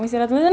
misalnya tuh nih